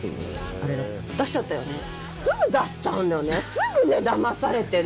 すぐだまされてね。